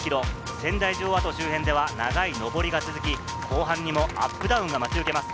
仙台城跡周辺では長い上りが続き、後半にはアップダウンが待ち受けます。